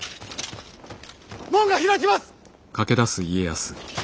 門が開きます！